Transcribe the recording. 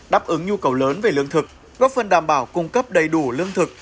đáp ứng nhu cầu lớn về lương thực góp phần đảm bảo cung cấp đầy đủ lương thực